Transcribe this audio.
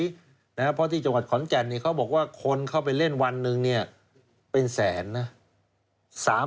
เพราะที่จังหวัดขอนแก่นเขาบอกว่าคนเข้าไปเล่นวันหนึ่งเนี่ยเป็นแสนนะ